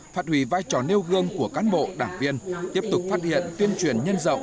phát hủy vai trò nêu gương của cán bộ đảng viên tiếp tục phát hiện tuyên truyền nhân rộng